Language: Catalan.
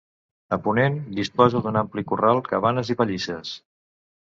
A ponent, disposa d'un ampli corral, cabanes i pallisses.